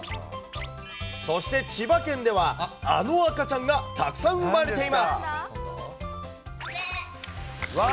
そして、千葉県では、あの赤ちゃんがたくさん産まれています。